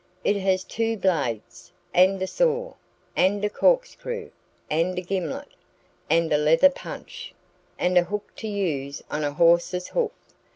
It has two blades, and a saw, and a corkscrew, and a gimlet, and a leather punch, and a hook to use on a horse's hoof.